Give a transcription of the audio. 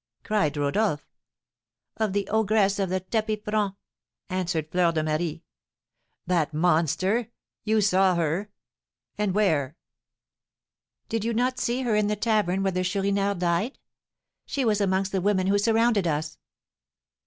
cried Rodolph. "Of the ogress of the tapis franc!" answered Fleur de Marie. "That monster! You saw her! and where?" "Did you not see her in the tavern where the Chourineur died? She was amongst the women who surrounded us."